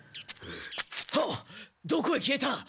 あっどこへ消えた！？